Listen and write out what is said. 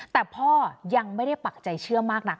แต่พ่อยังไม่ได้ปักใจเชื่อมากนัก